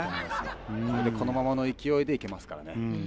これで、このままの勢いでいけますからね。